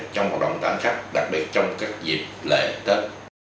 trong hoạt động tải hành khách đặc biệt trong các dịp lễ tết